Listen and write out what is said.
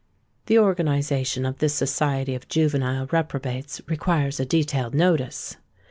The organisation of this society of juvenile reprobates requires a detailed notice.